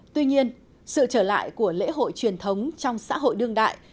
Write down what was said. tuy nhiên sự trở lại của lễ hội truyền thống trong xã hội đương đại